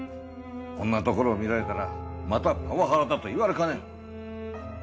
こんなところを見られたらまたパワハラだと言われかねん。